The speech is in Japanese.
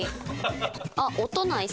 あっ。